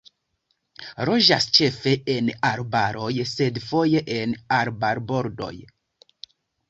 Loĝas ĉefe en arbaroj sed foje en arbarbordoj.